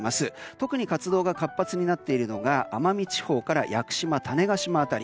特に活動が活発になっているのが奄美地方から屋久島、種子島辺り。